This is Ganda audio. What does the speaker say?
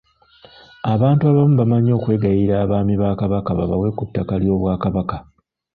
Abantu abamu bamanyi okwegayirira Abaami ba Kabaka babawe ku ttaka ly'Obwakabaka.